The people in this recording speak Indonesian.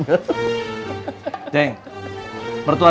nah intr tip